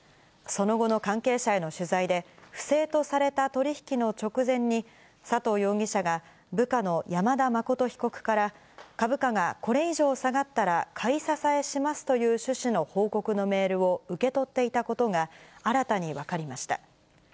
その後の関係者への取材で、不正とされた取り引きの直前に、佐藤容疑者が、部下の山田誠被告から、株価がこれ以上下がったら、買い支えしますという趣旨の報告のメールを受け取っていたことが、新たに分かりました。